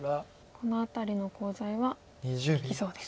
この辺りのコウ材は利きそうですか。